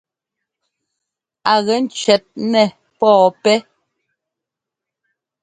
Á gɛ cʉɛt nɛɛ pɔɔpɛ́.